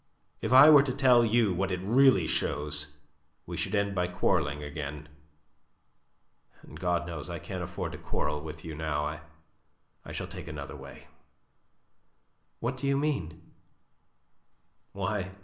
If I were to tell you what it really shows, we should end by quarrelling again, and God knows I can't afford to quarrel with you now. I... I shall take another way." "What do you mean?"